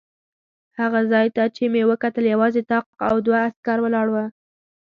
هغه ځای ته چې مې وکتل یوازې طاق او دوه عسکر ولاړ و.